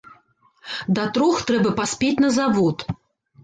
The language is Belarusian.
Да трох трэба паспець на завод.